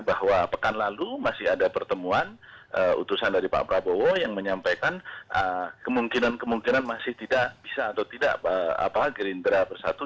bahwa pekan lalu masih ada pertemuan utusan dari pak prabowo yang menyampaikan kemungkinan kemungkinan masih tidak bisa atau tidak gerindra bersatu